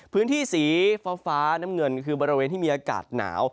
พื้นที่สีฟ้าน้ำเงินคือบริเวณที่มีอากาศหนาว